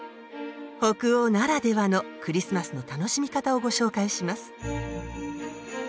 北欧ならではのクリスマスの楽しみ方をご紹介します。